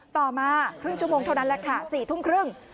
ต่อมาครึ่งชั่วโมงเท่านั้นแหละค่ะ๔ทุ่มครึ่ง